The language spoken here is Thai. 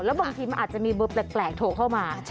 แล้วบางทีมันอาจจะมีเบอร์แปลกโทรเข้ามา